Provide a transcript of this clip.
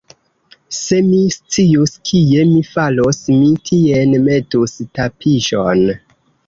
Se mi scius, kie mi falos, mi tien metus tapiŝon.